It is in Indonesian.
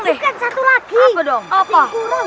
bukan satu lagi apa dong